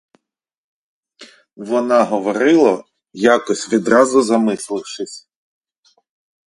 Вона говорила, якось відразу замислившись.